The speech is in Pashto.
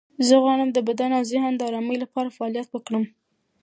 زه غواړم د بدن او ذهن د آرامۍ لپاره فعالیت وکړم.